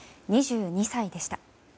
２２歳でした。